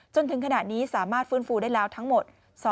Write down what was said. จนถึงขณะนี้สามารถฟื้นฟูได้แล้วทั้งหมด